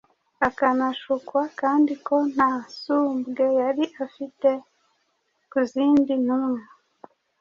akanashukwa kandi ko nta sumbwe yari afite ku zindi ntumwa.